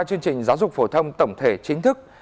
chương trình giáo dục phổ thông tổng thể chính thức